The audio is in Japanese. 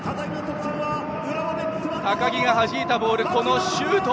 高木がはじいたボールにこのシュート。